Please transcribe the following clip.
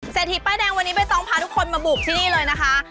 ทีป้ายแดงวันนี้ใบตองพาทุกคนมาบุกที่นี่เลยนะคะ